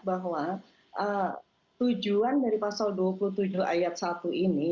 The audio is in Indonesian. kalau saya melihat bahwa tujuan dari pasal dua puluh tujuh ayat satu ini